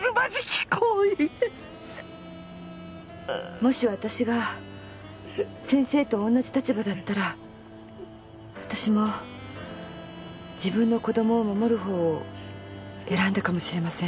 もし私が先生と同じ立場だったら私も自分の子供を守るほうを選んだかもしれません。